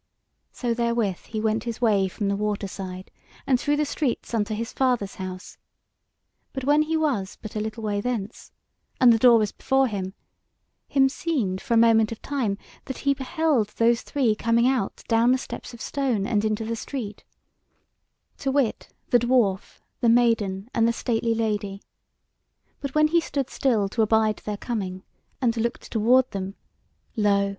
So therewith he went his way from the water side, and through the streets unto his father's house; but when he was but a little way thence, and the door was before him, him seemed for a moment of time that he beheld those three coming out down the steps of stone and into the street; to wit the dwarf, the maiden, and the stately lady: but when he stood still to abide their coming, and looked toward them, lo!